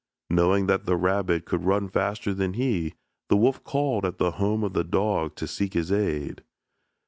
Knowing that the rabbit could run faster than he, the wolf called at the home of the dog to seek his aid.